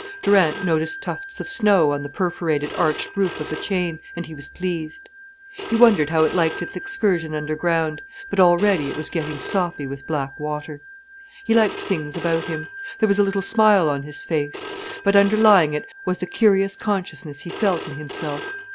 Durant noticed tufts of snow on the perforated, arched roof of the chain, and he was pleased. He wondered how it liked its excursion underground. But already it was getting soppy with black water. He liked things about him. There was a little smile on his face. But underlying it was the curious consciousness he felt in himself.